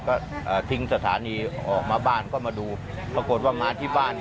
ก็ทิ้งสถานีออกมาบ้านก็มาดูปรากฏว่ามาที่บ้าน